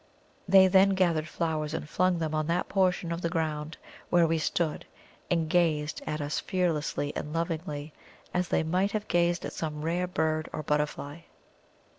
They then gathered flowers and flung them on that portion of ground where we stood, and gazed at us fearlessly and lovingly, as they might have gazed at some rare bird or butterfly.